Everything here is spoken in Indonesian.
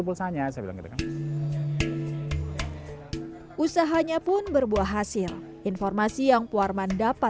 pulsanya saya bilang gitu kan usahanya pun berbuah hasil informasi yang puarman dapat